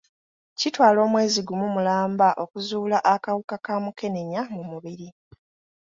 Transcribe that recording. Kitwala omwezi gumu mulamba okuzuula akawuka ka mukenenya mu mubiri.